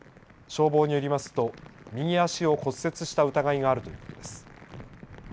消防によりますと、右足を骨折した疑いがあるということです。